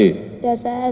biasa satu kali